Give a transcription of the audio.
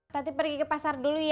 tadi pergi ke pasar dulu ya